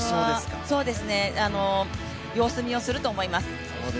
最初は様子見をすると思います。